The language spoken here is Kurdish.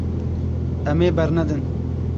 Em ê bernedin.